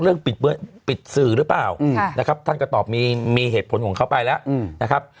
ปิดสื่อหรือเปล่านะครับท่านก็ตอบมีเหตุผลของเขาไปแล้วนะครับ